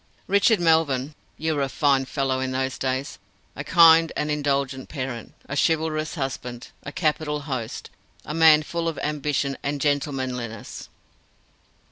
Richard Melvyn, you were a fine fellow in those days! A kind and indulgent parent, a chivalrous husband, a capital host, a man full of ambition and gentlemanliness.